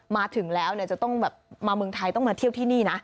มาถึงแล้วอยากมาเมืองไทยต้องว่ามาเที่ยวที่นี่นะ